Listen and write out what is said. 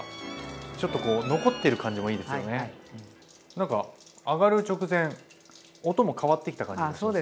何か揚がる直前音も変わってきた感じがしますね。